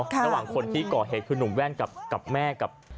ระหว่างคนที่ก่อเหตุคือหนุ่มแว่นกับแม่กับ